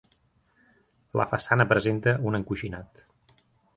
La façana presenta un encoixinat.